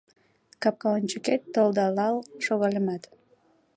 Капка ончыкет толдалал шогальымат, -